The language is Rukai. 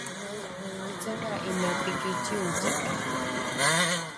Cenga'ine piki ziwzika!